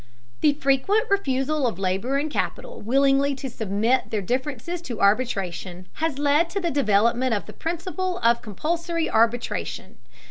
The frequent refusal of labor and capital willingly to submit their differences to arbitration has led to the development of the principle of compulsory arbitration.